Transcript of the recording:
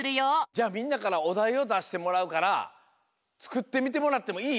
じゃあみんなからおだいをだしてもらうからつくってみてもらってもいい？